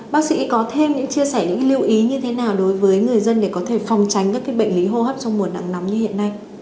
bác sĩ có thêm những chia sẻ những lưu ý như thế nào đối với người dân để có thể phòng tránh các bệnh lý hô hấp trong mùa nặng nắm như hiện nay